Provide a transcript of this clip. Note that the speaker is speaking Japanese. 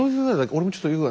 俺もちょっとよく。